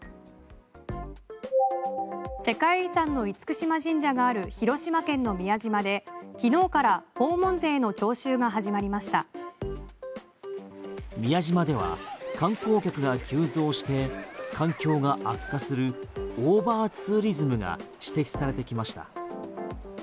世界遺産の厳島神社がある広島県の宮島で昨日から訪問税の徴収が始まりました宮島では観光客が急増して環境が悪化するオーバーツーリズムが指摘されてきました。